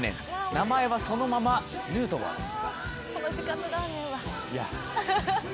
名前はそのままヌートバーです。